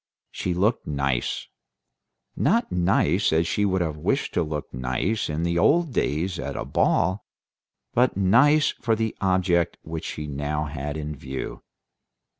She looked nice. Not nice as she would have wished to look nice in old days at a ball, but nice for the object which she now had in view.